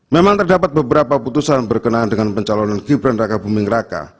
memang terdapat beberapa putusan berkenaan dengan pencalonan gibran raka buming raka